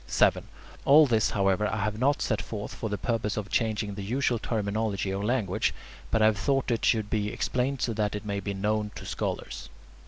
7. All this, however, I have not set forth for the purpose of changing the usual terminology or language, but I have thought that it should be explained so that it may be known to scholars.